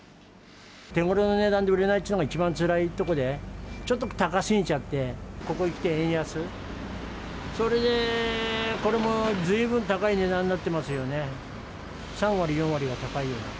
手ごろな値段で売れないっていうのが一番つらいところで、ちょっと高すぎちゃって、ここへきて円安、それでこれもずいぶん高い値段になってますよね。